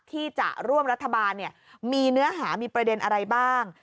ที่จะร่วมรัฐบาลมีเนื้อหามีประเด็นอะไรบ้าง